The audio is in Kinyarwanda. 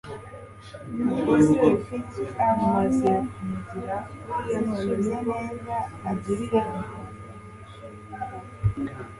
Nyiri ipiki abonye zicuze neza asamushimira